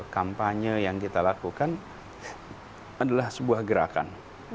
kampanye yang kita lakukan adalah sebuah gerakan